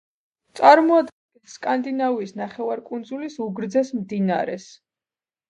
წარმოადგენს სკანდინავიის ნახევარკუნძულის უგრძეს მდინარეს.